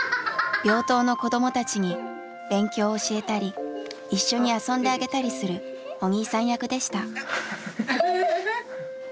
病棟の子どもたちに勉強を教えたり一緒に遊んであげたりするお兄さん役でした。